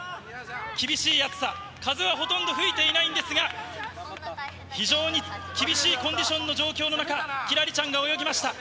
厳しい暑さ、風はほとんど吹いていないんですが、非常に厳しいコンディションの状況の中、輝星ちゃんが泳ぎました。